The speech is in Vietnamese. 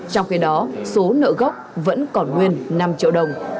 trong khi đó số nợ gốc vẫn còn nguyên năm triệu đồng